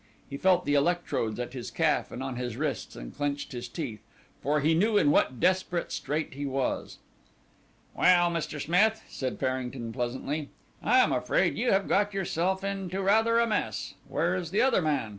He felt the electrodes at his calf and on his wrists and clenched his teeth, for he knew in what desperate strait he was. "Well, Mr. Smith," said Farrington pleasantly, "I am afraid you have got yourself into rather a mess. Where is the other man?"